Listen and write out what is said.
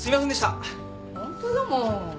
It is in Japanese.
ホントよもう。